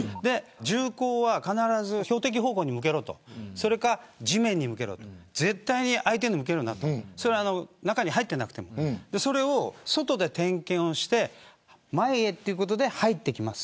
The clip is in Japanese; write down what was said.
銃口は必ず標的方向に向けろとそれか地面に向けろ絶対に相手に向けるなとそれは中に入っていなくてもそれを外で点検して前へということで入ってきます。